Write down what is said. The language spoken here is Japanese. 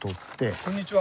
・こんにちは。